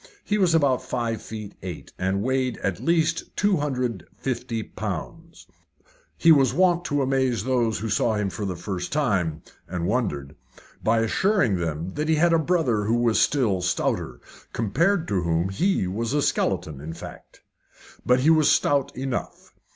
He was about five feet eight, and weighed at least 250 pounds. He was wont to amaze those who saw him for the first time and wondered by assuring them that he had a brother who was still stouter compared to whom he was a skeleton, in fact. But he was stout enough.